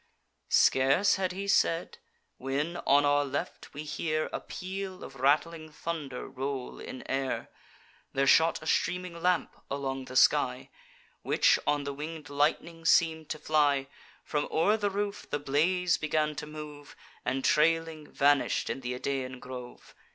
Scarce had he said, when, on our left, we hear A peal of rattling thunder roll in air: There shot a streaming lamp along the sky, Which on the winged lightning seem'd to fly; From o'er the roof the blaze began to move, And, trailing, vanish'd in th' Idaean grove.